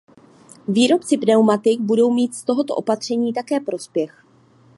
Výrobci pneumatik budou mít z tohoto opatření také prospěch.